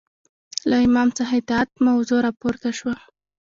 له امام څخه اطاعت موضوع راپورته شوه